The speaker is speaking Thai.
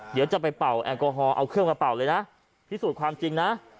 เดี๋ยวจะไปเป่าแอลกอฮอลเอาเครื่องมาเป่าเลยนะพิสูจน์ความจริงนะ